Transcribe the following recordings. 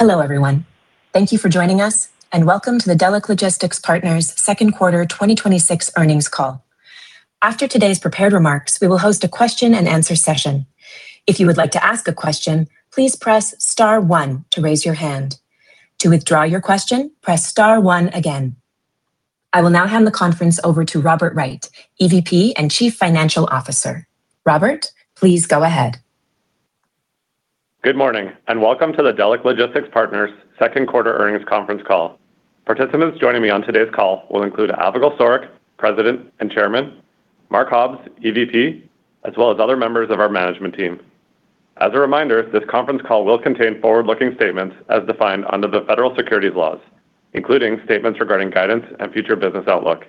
Hello, everyone. Thank you for joining us, and welcome to the Delek Logistics Partners second quarter 2026 earnings call. After today's prepared remarks, we will host a question and answer session. If you would like to ask a question, please press star one to raise your hand. To withdraw your question, press star one again. I will now hand the conference over to Robert Wright, EVP and Chief Financial Officer. Robert, please go ahead. Good morning. Welcome to the Delek Logistics Partners second quarter earnings conference call. Participants joining me on today's call will include Avigal Soreq, President and Chairman, Mark Hobbs, EVP, as well as other members of our management team. As a reminder, this conference call will contain forward-looking statements as defined under the Federal Securities laws, including statements regarding guidance and future business outlook.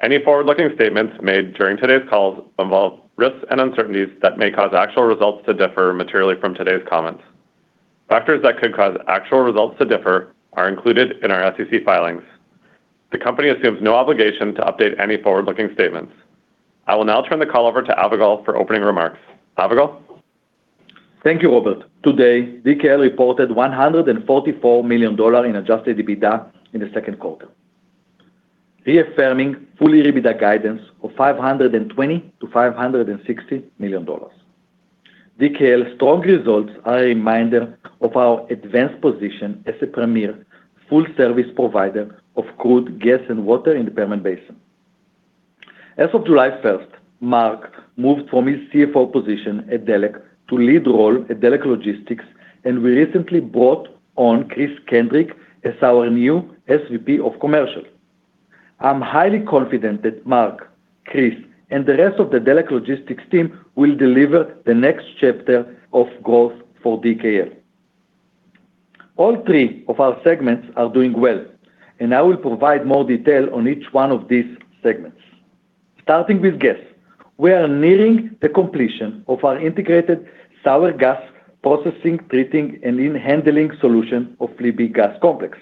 Any forward-looking statements made during today's call involve risks and uncertainties that may cause actual results to differ materially from today's comments. Factors that could cause actual results to differ are included in our SEC filings. The company assumes no obligation to update any forward-looking statements. I will now turn the call over to Avigal for opening remarks. Avigal? Thank you, Robert. Today, DKL reported $144 million in adjusted EBITDA in the second quarter, reaffirming full-year EBITDA guidance of $520 million-$560 million. DKL's strong results are a reminder of our advanced position as a premier full-service provider of crude gas and water in the Permian Basin. As of July 1st, Mark moved from his CFO position at Delek to lead role at Delek Logistics, and we recently brought on Kris Kindrick as our new SVP of Commercial. I am highly confident that Mark, Kris, and the rest of the Delek Logistics team will deliver the next chapter of growth for DKL. All three of our segments are doing well, and I will provide more detail on each one of these segments. Starting with gas. We are nearing the completion of our integrated sour gas processing, treating, and enhancing solution of Libby Gas Complex.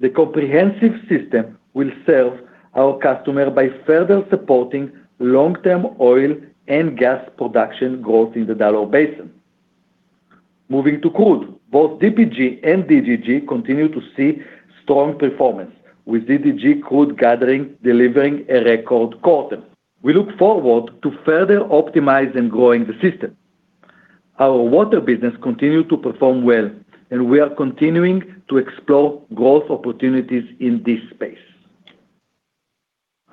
The comprehensive system will serve our customer by further supporting long-term oil and gas production growth in the Delaware Basin. Moving to crude. Both DPG and DDG continue to see strong performance, with DDG crude gathering delivering a record quarter. We look forward to further optimize and growing the system. Our water business continues to perform well, and we are continuing to explore growth opportunities in this space.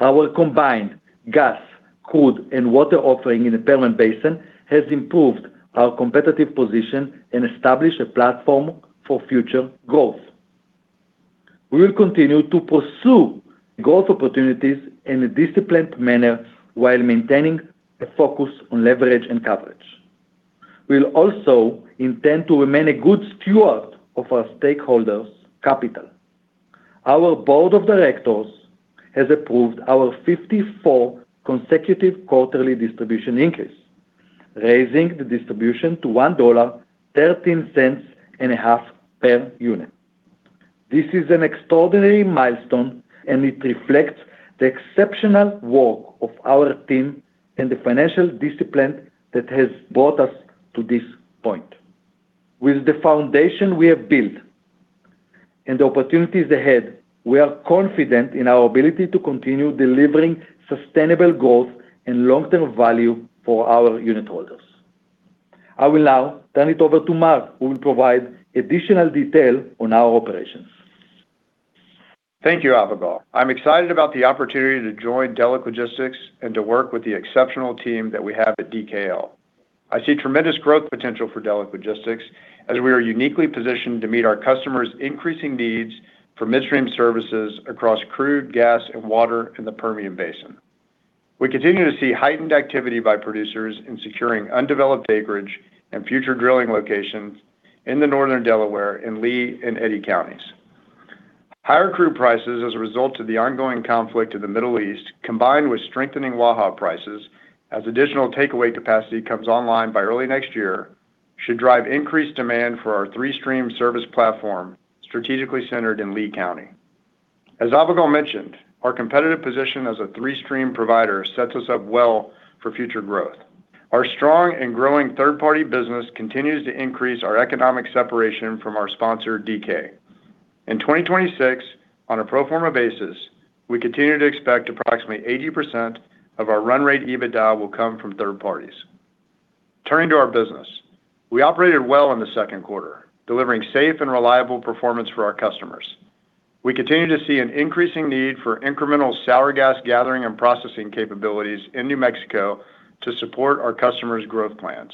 Our combined gas, crude, and water offering in the Permian Basin has improved our competitive position and established a platform for future growth. We will continue to pursue growth opportunities in a disciplined manner while maintaining a focus on leverage and coverage. We will also intend to remain a good steward of our stakeholders' capital. Our board of directors has approved our 54th consecutive quarterly distribution increase, raising the distribution to $1.13 and a half per unit. This is an extraordinary milestone. It reflects the exceptional work of our team and the financial discipline that has brought us to this point. With the foundation we have built and the opportunities ahead, we are confident in our ability to continue delivering sustainable growth and long-term value for our unitholders. I will now turn it over to Mark, who will provide additional detail on our operations. Thank you, Avigal. I'm excited about the opportunity to join Delek Logistics and to work with the exceptional team that we have at DKL. I see tremendous growth potential for Delek Logistics as we are uniquely positioned to meet our customers' increasing needs for midstream services across crude gas and water in the Permian Basin. We continue to see heightened activity by producers in securing undeveloped acreage and future drilling locations in the northern Delaware in Lea and Eddy counties. Higher crude prices as a result of the ongoing conflict in the Middle East, combined with strengthening Waha prices as additional takeaway capacity comes online by early next year, should drive increased demand for our three-stream service platform, strategically centered in Lea County. As Avigal mentioned, our competitive position as a three-stream provider sets us up well for future growth. Our strong and growing third-party business continues to increase our economic separation from our sponsor, DK. In 2026, on a pro forma basis, we continue to expect approximately 80% of our run rate EBITDA will come from third parties. Turning to our business, we operated well in the second quarter, delivering safe and reliable performance for our customers. We continue to see an increasing need for incremental sour gas gathering and processing capabilities in New Mexico to support our customers' growth plans.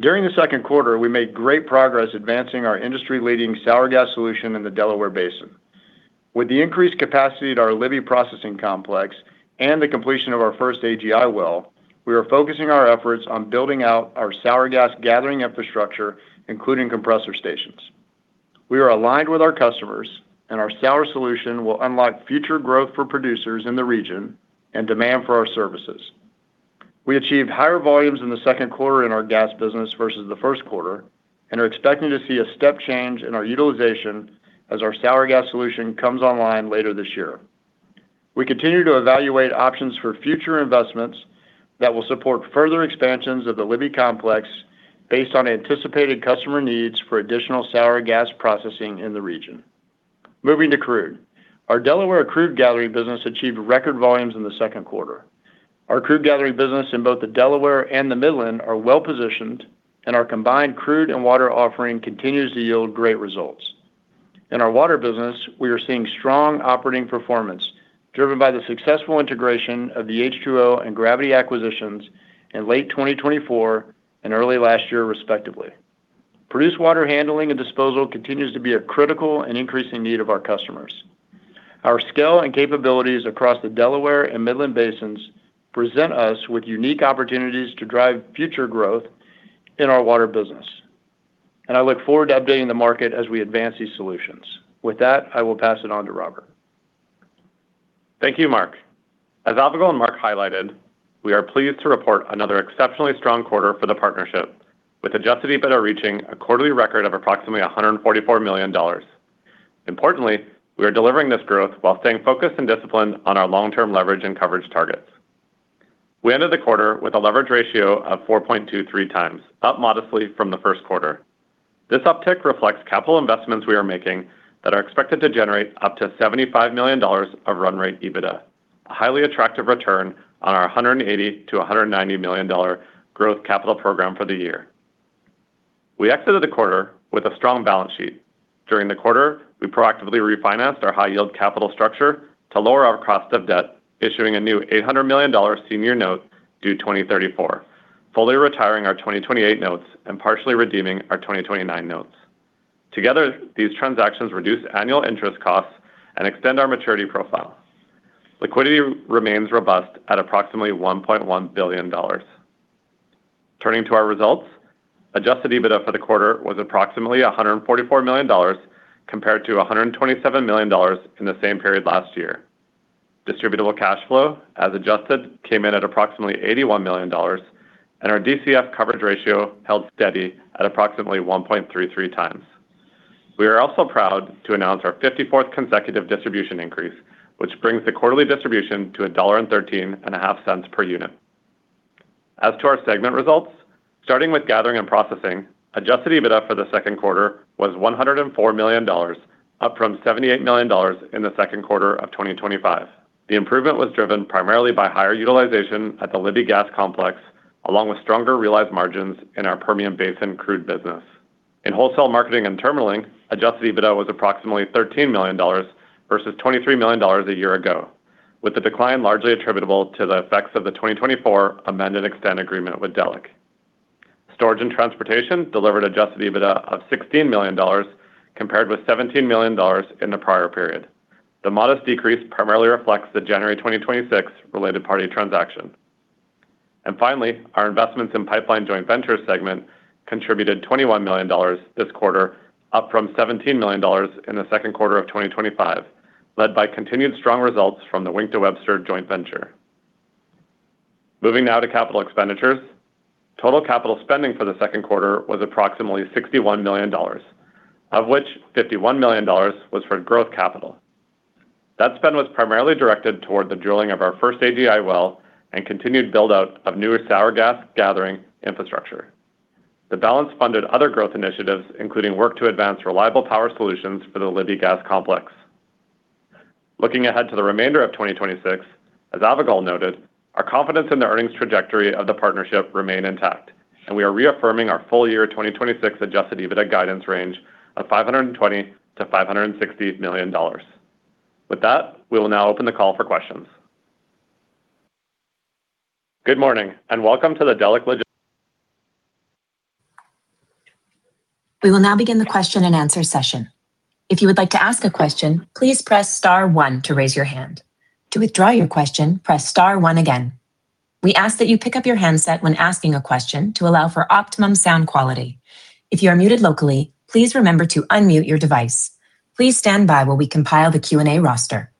During the second quarter, we made great progress advancing our industry-leading sour gas solution in the Delaware Basin. With the increased capacity at our Libby processing complex and the completion of our first AGI well, we are focusing our efforts on building out our sour gas gathering infrastructure, including compressor stations. We are aligned with our customers. Our sour solution will unlock future growth for producers in the region and demand for our services. We achieved higher volumes in the second quarter in our gas business versus the first quarter and are expecting to see a step change in our utilization as our sour gas solution comes online later this year. We continue to evaluate options for future investments that will support further expansions of the Libby Complex based on anticipated customer needs for additional sour gas processing in the region. Moving to crude. Our Delaware crude gathering business achieved record volumes in the second quarter. Our crude gathering business in both the Delaware and the Midland are well-positioned, and our combined crude and water offering continues to yield great results. In our water business, we are seeing strong operating performance, driven by the successful integration of the H2O and Gravity acquisitions in late 2024 and early last year, respectively. Produced water handling and disposal continues to be a critical and increasing need of our customers. Our scale and capabilities across the Delaware and Midland basins present us with unique opportunities to drive future growth in our water business, and I look forward to updating the market as we advance these solutions. With that, I will pass it on to Robert. Thank you, Mark. As Avigal and Mark highlighted, we are pleased to report another exceptionally strong quarter for the partnership with adjusted EBITDA reaching a quarterly record of approximately $144 million. Importantly, we are delivering this growth while staying focused and disciplined on our long-term leverage and coverage targets. We ended the quarter with a leverage ratio of 4.23x, up modestly from the first quarter. This uptick reflects capital investments we are making that are expected to generate up to $75 million of run rate EBITDA, a highly attractive return on our $180 million-$190 million growth capital program for the year. We exited the quarter with a strong balance sheet. During the quarter, we proactively refinanced our high-yield capital structure to lower our cost of debt, issuing a new $800 million senior note due 2034, fully retiring our 2028 notes and partially redeeming our 2029 notes. Together, these transactions reduce annual interest costs and extend our maturity profile. Liquidity remains robust at approximately $1.1 billion. Turning to our results, adjusted EBITDA for the quarter was approximately $144 million, compared to $127 million in the same period last year. Distributable cash flow, as adjusted, came in at approximately $81 million, and our DCF coverage ratio held steady at approximately 1.33x. We are also proud to announce our 54th consecutive distribution increase, which brings the quarterly distribution to $1.135 per unit. As to our segment results, starting with gathering and processing, adjusted EBITDA for the second quarter was $104 million, up from $78 million in the second quarter of 2025. The improvement was driven primarily by higher utilization at the Libby Gas Complex, along with stronger realized margins in our Permian Basin crude business. In wholesale marketing and terminaling, adjusted EBITDA was approximately $13 million versus $23 million a year ago, with the decline largely attributable to the effects of the 2024 amend and extend agreement with Delek. Storage and transportation delivered adjusted EBITDA of $16 million, compared with $17 million in the prior period. The modest decrease primarily reflects the January 2026 related party transaction. Finally, our investments in pipeline joint venture segment contributed $21 million this quarter, up from $17 million in the second quarter of 2025, led by continued strong results from the Wink to Webster joint venture. Moving now to capital expenditures. Total capital spending for the second quarter was approximately $61 million, of which $51 million was for growth capital. That spend was primarily directed toward the drilling of our first AGI well and continued build-out of newer sour gas gathering infrastructure. The balance funded other growth initiatives, including work to advance reliable power solutions for the Libby Gas Complex. Looking ahead to the remainder of 2026, as Avigal noted, our confidence in the earnings trajectory of the partnership remain intact, and we are reaffirming our full year 2026 adjusted EBITDA guidance range of $520 million-$560 million. With that, we will now open the call for questions. We will now begin the question and answer session. If you would like to ask a question, please press star one to raise your hand. To withdraw your question, press star one again. We ask that you pick up your handset when asking a question to allow for optimum sound quality. If you are muted locally, please remember to unmute your device. Please stand by while we compile the Q&A roster.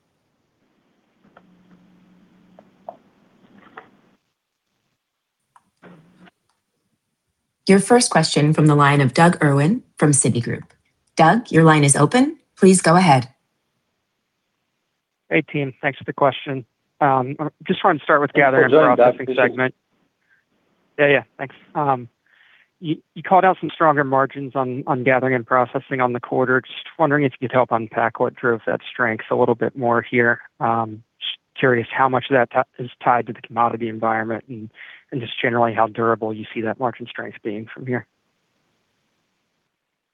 Your first question from the line of Doug Irwin from Citigroup. Doug, your line is open. Please go ahead. Hey, team. Thanks for the question. I just wanted to start with gathering- Go ahead, Doug. Processing segment. Thanks. You called out some stronger margins on gathering and processing on the quarter. Just wondering if you could help unpack what drove that strength a little bit more here. Just curious how much of that is tied to the commodity environment and just generally how durable you see that margin strength being from here.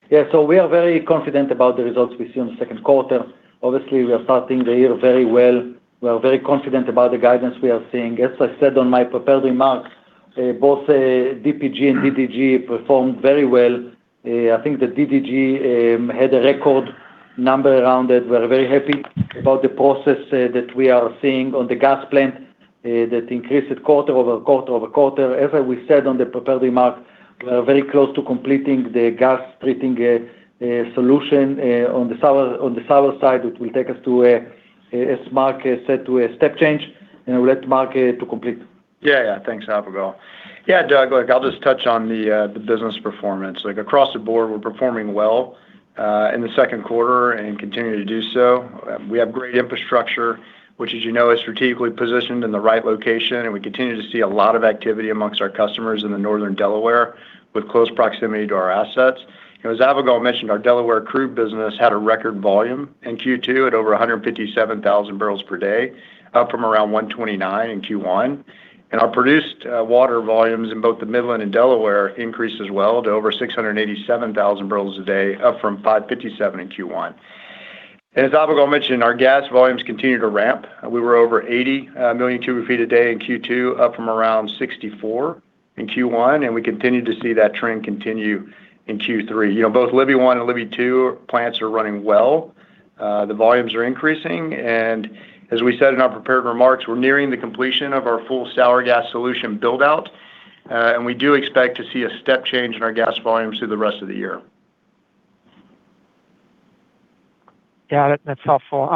We are very confident about the results we see on the second quarter. Obviously, we are starting the year very well. We are very confident about the guidance we are seeing. As I said on my prepared remarks, both DPG and DDG performed very well. I think the DDG had a record number around it. We're very happy about the process that we are seeing on the gas plant that increased quarter-over-quarter-over-quarter. As we said on the prepared remark, we are very close to completing the gas treating solution on the sour side, which will take us to, as Mark said, to a step change and we'll let Mark to complete. Thanks, Avigal. Doug, look, I'll just touch on the business performance. Like across the board, we're performing well in the second quarter and continue to do so. We have great infrastructure, which, as you know, is strategically positioned in the right location, and we continue to see a lot of activity amongst our customers in the Northern Delaware with close proximity to our assets. As Avigal mentioned, our Delaware crude business had a record volume in Q2 at over 157,000 barrels per day, up from around 129 in Q1. Our produced water volumes in both the Midland and Delaware increased as well to over 687,000 barrels a day, up from 557 in Q1. As Avigal mentioned, our gas volumes continue to ramp. We were over 80 million cubic feet a day in Q2, up from around 64 in Q1, and we continue to see that trend continue in Q3. Both Libby One and Libby Two plants are running well. The volumes are increasing, and as we said in our prepared remarks, we're nearing the completion of our full sour gas solution build-out. We do expect to see a step change in our gas volumes through the rest of the year. Yeah. That's helpful.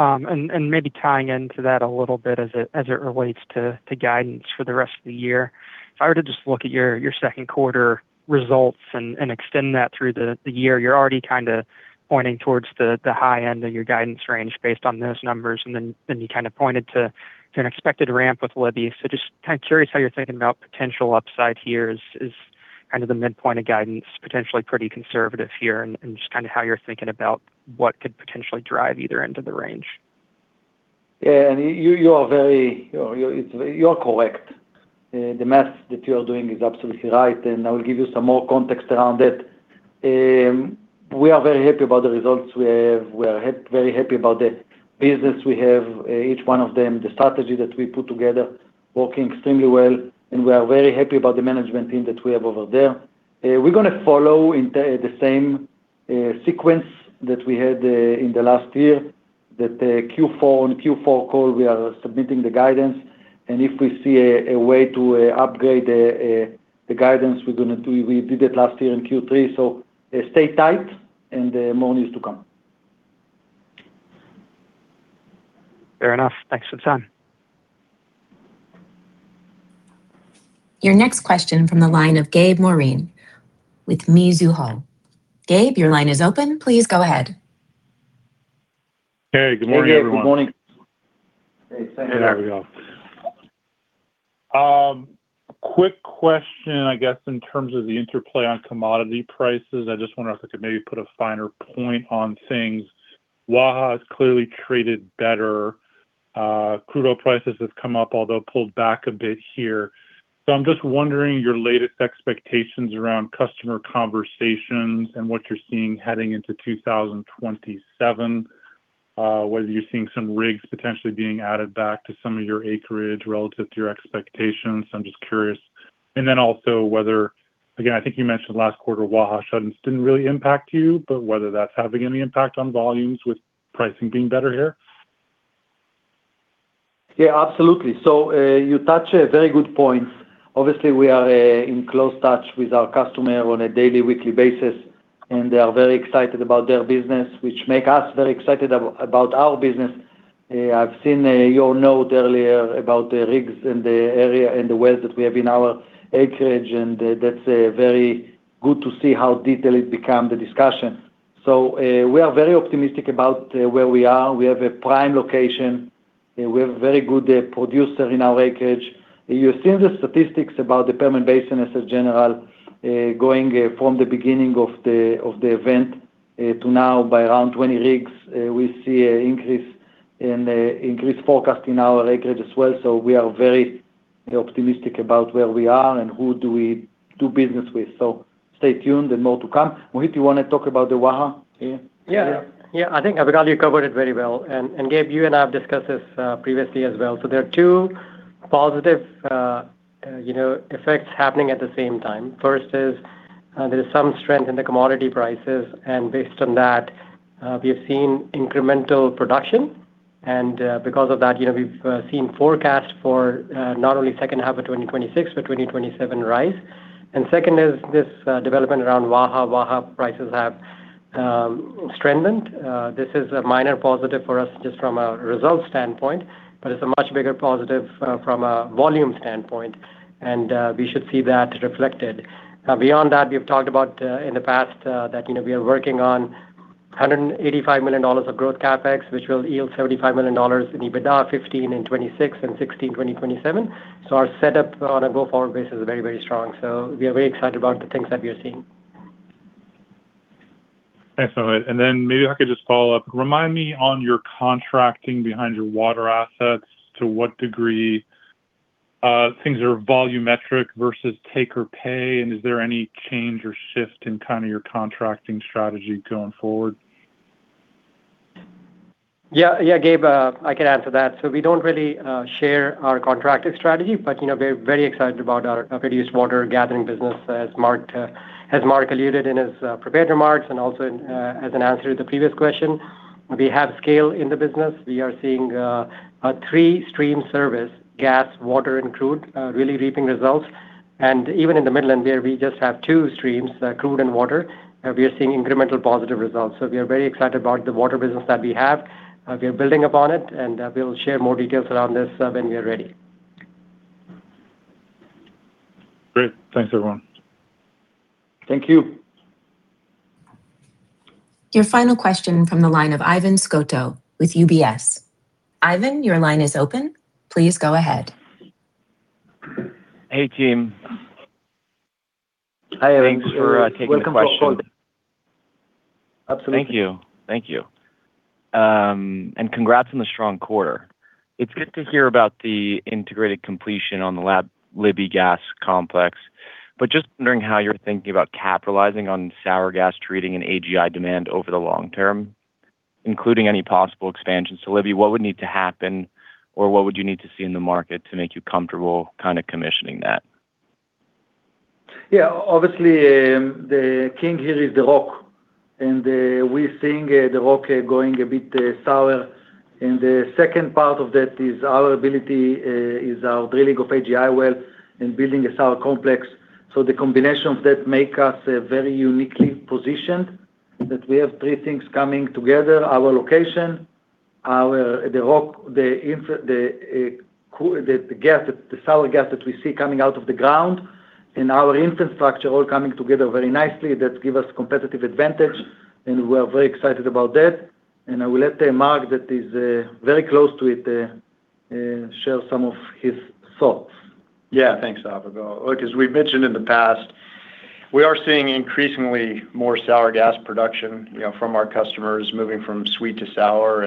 Maybe tying into that a little bit as it relates to guidance for the rest of the year, if I were to just look at your second quarter results and extend that through the year, you're already kind of pointing towards the high end of your guidance range based on those numbers. Then you kind of pointed to an expected ramp with Libby. Just kind of curious how you're thinking about potential upside here is kind of the midpoint of guidance, potentially pretty conservative here, and just kind of how you're thinking about what could potentially drive either end of the range. Yeah. You are correct. The math that you are doing is absolutely right, and I will give you some more context around it. We are very happy about the results we have. We are very happy about the business we have, each one of them, the strategy that we put together, working extremely well, and we are very happy about the management team that we have over there. We're going to follow the same sequence that we had in the last year, that the Q4 and Q4 call, we are submitting the guidance. If we see a way to upgrade the guidance, we're going to do. We did it last year in Q3. Stay tight, and more news to come. Fair enough. Thanks for the time. Your next question from the line of Gabriel Moreen with Mizuho. Gabriel, your line is open. Please go ahead. Hey, good morning, everyone. Hey, Gabriel. Good morning. Hey, Gabriel. Quick question, I guess, in terms of the interplay on commodity prices. I just wonder if I could maybe put a finer point on things. Waha has clearly traded better. Crude oil prices have come up, although pulled back a bit here. I'm just wondering your latest expectations around customer conversations and what you're seeing heading into 2027, whether you're seeing some rigs potentially being added back to some of your acreage relative to your expectations. I'm just curious. Also whether, again, I think you mentioned last quarter, Waha shutdowns didn't really impact you, but whether that's having any impact on volumes with pricing being better here. Absolutely. You touch a very good point. Obviously, we are in close touch with our customer on a daily, weekly basis, and they are very excited about their business, which make us very excited about our business. I've seen your note earlier about the rigs in the area and the wells that we have in our acreage, and that's very good to see how detailed it become, the discussion. We are very optimistic about where we are. We have a prime location. We have very good producer in our acreage. You've seen the statistics about the Permian Basin as a general, going from the beginning of the event to now by around 20 rigs. We see increase in the increased forecast in our acreage as well. We are very optimistic about where we are and who do we do business with. Stay tuned, and more to come. Mohit, you want to talk about the Waha here? I think, Avigal, you covered it very well. Gabe, you and I have discussed this previously as well. There are two positive effects happening at the same time. First is, there is some strength in the commodity prices. Based on that, we have seen incremental production. Because of that, we've seen forecast for not only second half of 2026, but 2027 rise. Second is this development around Waha. Waha prices have strengthened. This is a minor positive for us just from a results standpoint, but it's a much bigger positive from a volume standpoint. We should see that reflected. Beyond that, we have talked about in the past that we are working on $185 million of growth CapEx, which will yield $75 million in EBITDA 15 in 2026 and 16 2027. Our setup on a go-forward basis is very, very strong. We are very excited about the things that we are seeing. Thanks, Mohit. Maybe I could just follow up. Remind me on your contracting behind your water assets, to what degree things are volumetric versus take or pay, and is there any change or shift in kind of your contracting strategy going forward? Yeah, Gabriel, I can add to that. We don't really share our contracting strategy, but we're very excited about our produced water gathering business as Mark alluded in his prepared remarks and also as an answer to the previous question. We have scale in the business. We are seeing a three-stream service, gas, water, and crude, really reaping results. Even in the Midland where we just have two streams, crude and water, we are seeing incremental positive results. We are very excited about the water business that we have. We are building upon it, and we'll share more details around this when we are ready. Great. Thanks, everyone. Thank you. Your final question from the line of Ivan Scotto with UBS. Ivan, your line is open. Please go ahead. Hey, team. Hi, Ivan. Thanks for taking the question. Welcome. Absolutely. Thank you. Congrats on the strong quarter. It's good to hear about the integrated completion on the Libby gas complex, just wondering how you're thinking about capitalizing on sour gas treating and AGI demand over the long term, including any possible expansions to Libby. What would need to happen, or what would you need to see in the market to make you comfortable commissioning that? Obviously, the king here is the rock, we're seeing the rock going a bit sour. The second part of that is our ability is our drilling of AGI well and building a sour complex. The combination of that make us very uniquely positioned, that we have three things coming together, our location, the sour gas that we see coming out of the ground, and our infrastructure all coming together very nicely that give us competitive advantage, we are very excited about that. I will let Mark, that is very close to it, share some of his thoughts. Thanks, Avigal. As we've mentioned in the past, we are seeing increasingly more sour gas production from our customers moving from sweet to sour.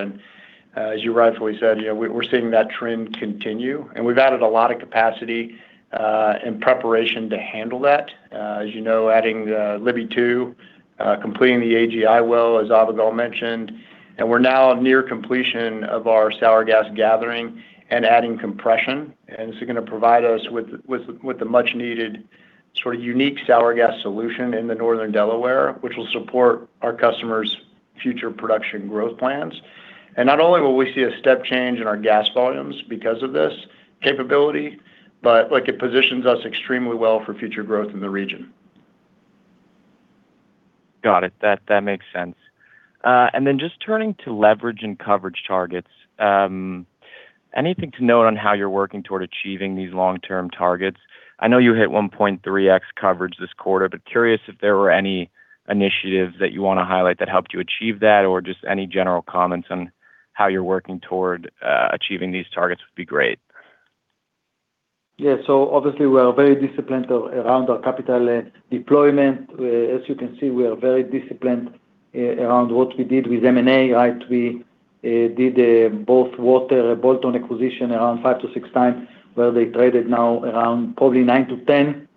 As you rightfully said, we're seeing that trend continue. We've added a lot of capacity in preparation to handle that. As you know, adding Libby 2, completing the AGI well, as Avigal mentioned, we're now near completion of our sour gas gathering and adding compression. This is going to provide us with the much needed sort of unique sour gas solution in the Northern Delaware, which will support our customers' future production growth plans. Not only will we see a step change in our gas volumes because of this capability, but it positions us extremely well for future growth in the region. Got it. That makes sense. Just turning to leverage and coverage targets. Anything to note on how you're working toward achieving these long-term targets? I know you hit 1.3x coverage this quarter, but curious if there were any initiatives that you want to highlight that helped you achieve that, or just any general comments on how you're working toward achieving these targets would be great. Obviously, we are very disciplined around our capital deployment. As you can see, we are very disciplined around what we did with M&A. We did both water, a bolt-on acquisition around five to six times, where they traded now around probably nine to 10.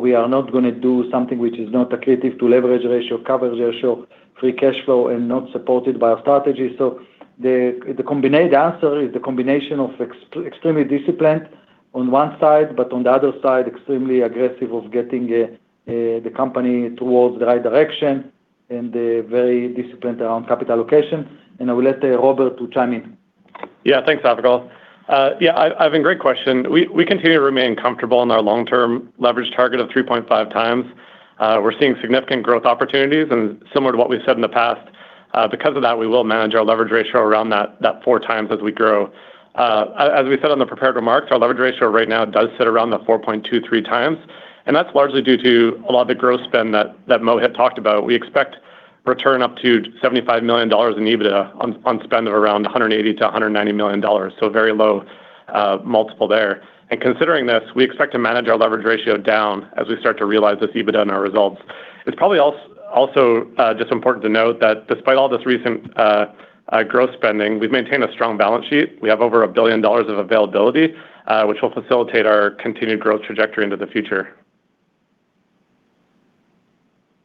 We are not going to do something which is not accretive to leverage ratio, coverage ratio, free cash flow, and not supported by our strategy. The answer is the combination of extremely disciplined on one side, but on the other side, extremely aggressive of getting the company towards the right direction and very disciplined around capital allocation. I will let Robert to chime in. Thanks, Avigal Soreq. Ivan, great question. We continue to remain comfortable in our long-term leverage target of 3.5x. We're seeing significant growth opportunities, and similar to what we've said in the past, because of that, we will manage our leverage ratio around that 4x as we grow. As we said on the prepared remarks, our leverage ratio right now does sit around the 4.23x, and that's largely due to a lot of the growth spend that Mo had talked about. We expect return up to $75 million in EBITDA on spend of around $180 million-$190 million, so a very low multiple there. Considering this, we expect to manage our leverage ratio down as we start to realize this EBITDA in our results. It's probably also just important to note that despite all this recent growth spending, we've maintained a strong balance sheet. We have over $1 billion of availability, which will facilitate our continued growth trajectory into the future.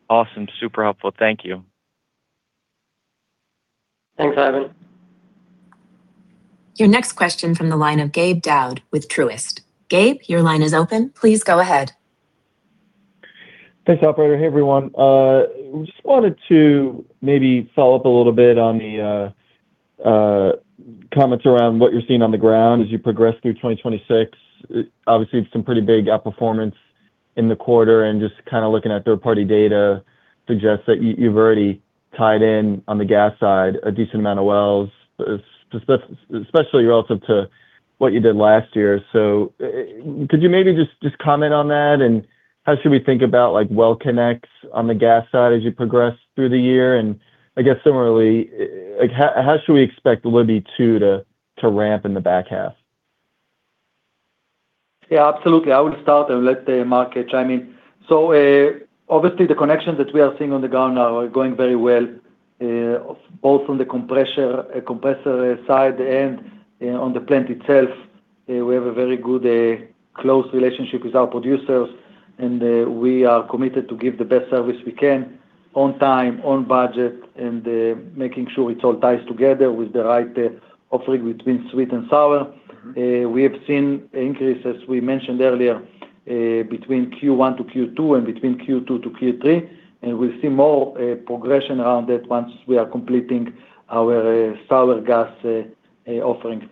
Awesome. Super helpful. Thank you. Thanks, Ivan. Your next question from the line of Gabe Daoud with Truist. Gabe, your line is open. Please go ahead. Thanks, operator. Hey, everyone. Just wanted to maybe follow up a little bit on the comments around what you're seeing on the ground as you progress through 2026. Obviously, some pretty big outperformance in the quarter and just looking at third-party data suggests that you've already tied in on the gas side a decent amount of wells, especially relative to what you did last year. Could you maybe just comment on that, and how should we think about well connects on the gas side as you progress through the year? I guess similarly, how should we expect Libby Two to ramp in the back half? Yeah, absolutely. I would start and let Mark chime in. Obviously the connections that we are seeing on the ground now are going very well, both on the compressor side and on the plant itself. We have a very good close relationship with our producers, and we are committed to give the best service we can on time, on budget, and making sure it all ties together with the right offering between sweet and sour. We have seen increases, we mentioned earlier, between Q1 to Q2 and between Q2 to Q3. We'll see more progression around that once we are completing our sour gas offering.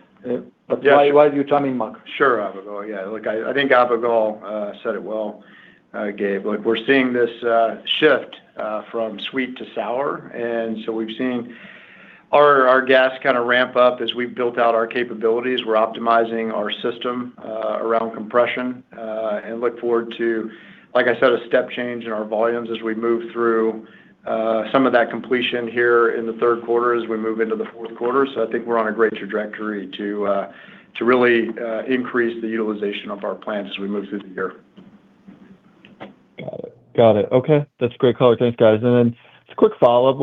Why don't you chime in, Mark? Sure, Avigal. I think Avigal said it well, Gabe. We're seeing this shift from sweet to sour. We've seen our gas kind of ramp up as we've built out our capabilities. We're optimizing our system around compression, and look forward to, like I said, a step change in our volumes as we move through some of that completion here in the third quarter as we move into the fourth quarter. I think we're on a great trajectory to really increase the utilization of our plant as we move through the year. Got it. Okay. That's a great color. Thanks, guys. Just a quick follow-up.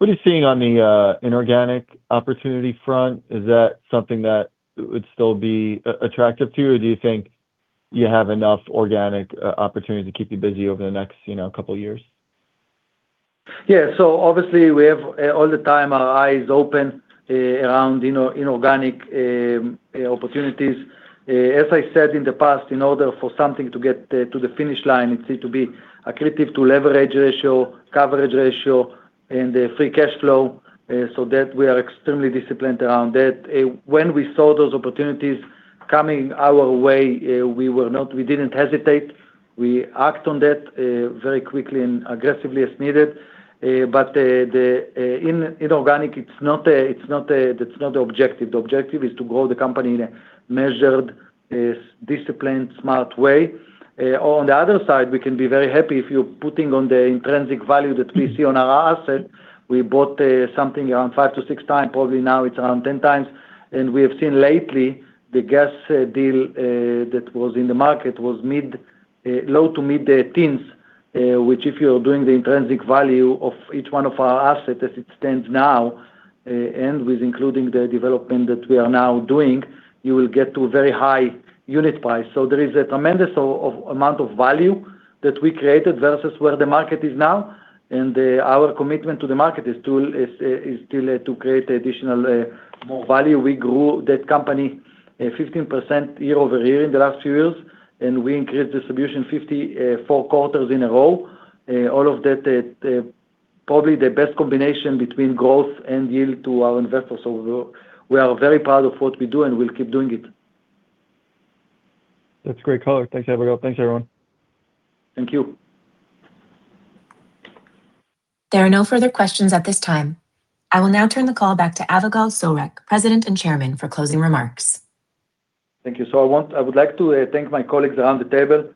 What are you seeing on the inorganic opportunity front? Is that something that would still be attractive to you, or do you think you have enough organic opportunity to keep you busy over the next couple of years? Yeah. Obviously we have, all the time, our eyes open around inorganic opportunities. As I said in the past, in order for something to get to the finish line, it needs to be accretive to leverage ratio, coverage ratio, and free cash flow. That we are extremely disciplined around that. When we saw those opportunities coming our way, we didn't hesitate. We acted on that very quickly and aggressively as needed. Inorganic, that's not the objective. The objective is to grow the company in a measured, disciplined, smart way. On the other side, we can be very happy if you're putting on the intrinsic value that we see on our asset. We bought something around five to six times, probably now it's around 10x. We have seen lately the gas deal that was in the market was low to mid-teens, which if you are doing the intrinsic value of each one of our assets as it stands now, and with including the development that we are now doing, you will get to a very high unit price. There is a tremendous amount of value that we created versus where the market is now. Our commitment to the market is still to create additional, more value. We grew that company 15% year-over-year in the last few years, and we increased distribution 54 quarters in a row. All of that is probably the best combination between growth and yield to our investors overall. We are very proud of what we do, and we'll keep doing it. That's a great color. Thanks, Avigal. Thanks, everyone. Thank you. There are no further questions at this time. I will now turn the call back to Avigal Soreq, President and Chairman, for closing remarks. Thank you. I would like to thank my colleagues around the table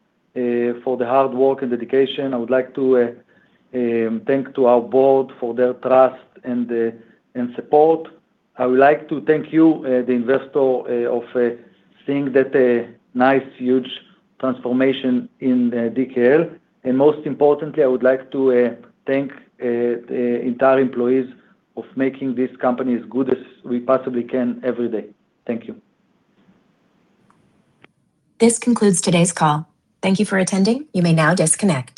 for the hard work and dedication. I would like to thank our board for their trust and support. I would like to thank you, the investor, of seeing that nice, huge transformation in DKL. Most importantly, I would like to thank the entire employees of making this company as good as we possibly can every day. Thank you. This concludes today's call. Thank you for attending. You may now disconnect.